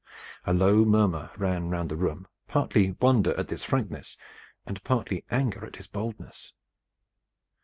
A low murmur ran round the room, partly wonder at his frankness, and partly anger at his boldness.